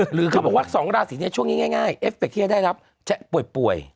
หรือเขาบอกว่าสองราศีในช่วงนี้ง่ายเอฟเฟกต์ที่ให้ได้ครับจะป่วย